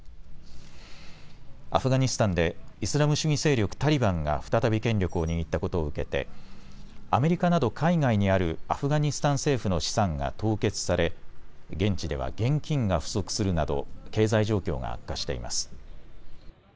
アフガニスタンでイスラム主義勢力タリバンが再び権力を握ったことを受けてアメリカなど海外にあるアフガニスタン政府の資産が凍結され現地では現金が不足するなど経済状況が悪化しています。